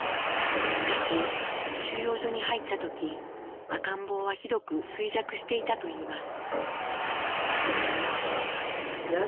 しかし収容所に入った時赤ん坊はひどく衰弱していたといいます。